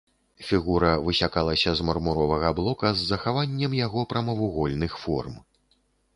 Фігура высякалася з мармуровага блока з захаваннем яго прамавугольных форм.